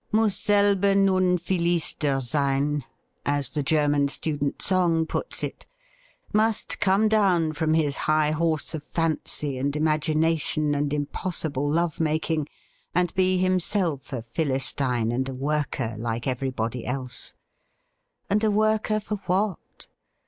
'Muss selber nun Philister sein,' as the German student song puts it; must come down from his high horse of fancy and imagination and impossible love making and be himself a Philistine and a worker, like everybody else. And a Worker for what